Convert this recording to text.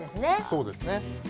そうですね。